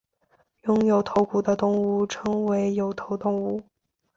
拥有头骨的动物称为有头动物。